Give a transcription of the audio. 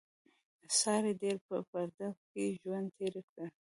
سارې ډېر په پرده کې ژوند تېر کړ.